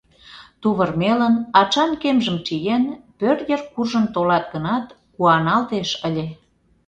Тувырмелын, ачан кемжым чиен, пӧрт йыр куржын толат гынат, куаналтеш ыле.